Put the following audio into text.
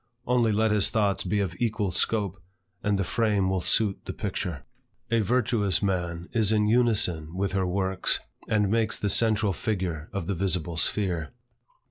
Only let his thoughts be of equal scope, and the frame will suit the picture. A virtuous man is in unison with her works, and makes the central figure of the visible sphere.